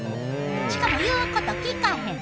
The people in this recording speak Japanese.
しかも言うこと聞かへん！